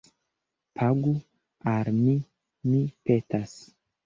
Pagu al mi, mi petas